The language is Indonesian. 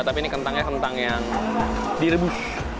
tapi ini kentangnya kentang yang direbus